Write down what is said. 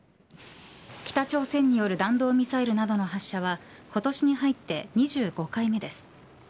北朝鮮による弾道ミサイルなどの発射は、今年に入って２５回目です。